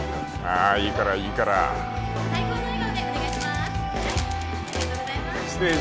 いいからいいから最高の笑顔でお願いします